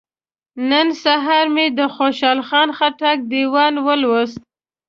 نن سهار مې د خوشحال خان خټک دیوان ولوست.